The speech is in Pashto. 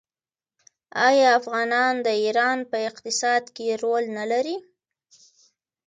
آیا افغانان د ایران په اقتصاد کې رول نلري؟